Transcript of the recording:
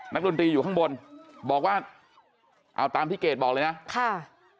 นักฤนตีอยู่ข้างบนเอาตามที่เกรดบอกเลยนะ